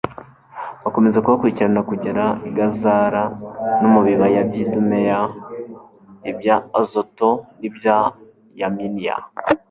bakomeza kubakurikirana kugera i gazara no mu bibaya by'idumeya, ibya azoto n'ibya yaminiya